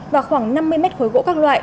và khoảng năm mươi mét khối gỗ các loại